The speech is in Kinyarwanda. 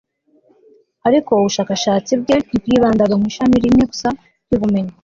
ariko ubushakashatsi bwe ntibwibandaga mu ishami rimwe gusa ry'ubumenyi